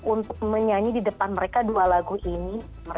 untuk menyanyi di depan mereka dua lagu ini